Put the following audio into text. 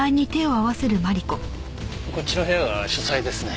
こっちの部屋は書斎ですね。